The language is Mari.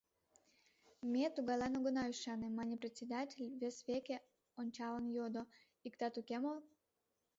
Ме тугайлан огына ӱшане, — мане председатель, вес веке ончалын йодо: — Иктат уке мо?